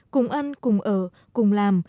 cùng ăn cùng ở cùng làm